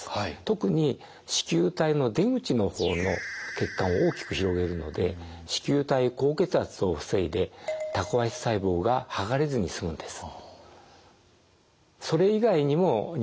特に糸球体の出口の方の血管を大きく広げるので糸球体高血圧を防いでタコ足細胞が剥がれずに済むんです。